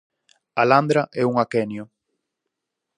A landra é un aquenio.